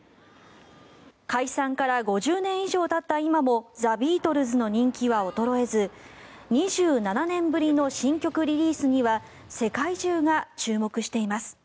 解散から５０年以上たった今もザ・ビートルズの人気は衰えず２７年ぶりの新曲リリースには世界中が注目しています。